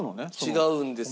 違うんですね。